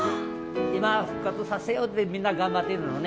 今復活させようってみんな頑張ってるのね。